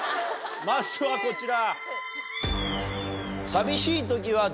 まずはこちら。